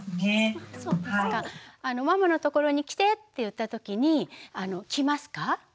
「ママのところに来て」って言った時に来ますか？